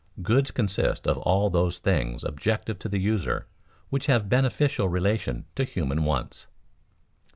_Goods consist of all those things objective to the user which have a beneficial relation to human wants.